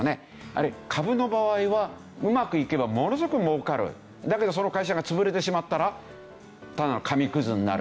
あるいは株の場合はうまくいけばものすごく儲かるだけどその会社が潰れてしまったらただの紙くずになる。